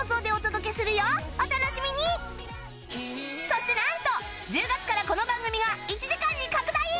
そしてなんと１０月からこの番組が１時間に拡大！